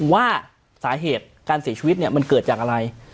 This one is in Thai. ว่าสาเหตุการเสียชีวิตเนี่ยมันเกิดจากอะไร